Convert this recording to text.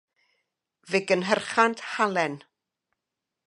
Fe gynhyrchant halen.